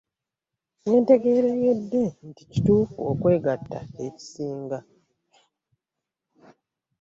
We ntegeeredde nti kituufu okwegatta kye kisinga.